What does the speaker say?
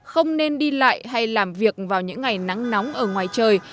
không nên đi lại hay làm việc vào những ngày nắng nóng ở ngoài trời